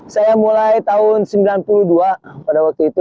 saya mulai tahun seribu sembilan ratus sembilan puluh dua pada waktu itu